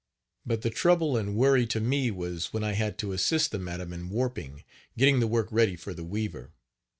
But the trouble and worry to me was when I had to assist the Page 41 madam in warping getting the work ready for the weaver.